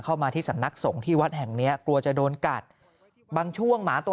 เข้ามาที่สำนักสงฆ์ที่วัดแห่งเนี้ยกลัวจะโดนกัดบางช่วงหมาตัว